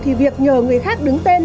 thì việc nhờ người khác đứng tên